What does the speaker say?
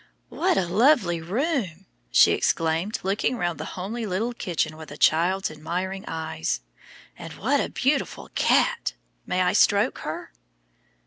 "What a lovely room," she exclaimed, looking round the homely little kitchen with a child's admiring eyes, "and what a beautiful cat! May I stroke her?"